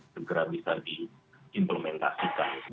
segera bisa diimplementasikan